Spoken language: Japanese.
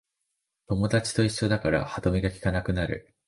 友達と一緒だから歯止めがきかなくなる